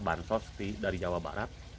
bantuan dari jawa barat